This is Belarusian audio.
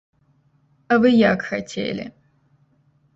А вы як хацелі?